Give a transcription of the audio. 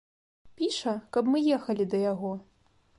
Піша, каб мы ехалі да яго.